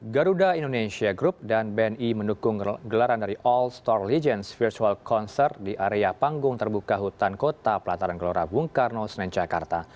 garuda indonesia group dan bni mendukung gelaran dari all star legends virtual concert di area panggung terbuka hutan kota pelataran gelora bung karno senen jakarta